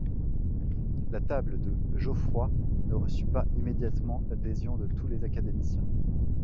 La table de Geoffroy ne reçut pas immédiatement l'adhésion de tous les académiciens.